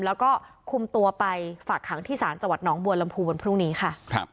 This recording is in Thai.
แล้วก็คุมตัวไปฝากขังที่ศาลจังหวัดน้องบัวลำพูวันพรุ่งนี้ค่ะ